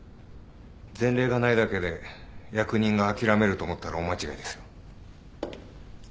前例がないだけで役人が諦めると思ったら大間違いですよ。